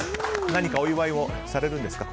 何かお祝いをされるんですか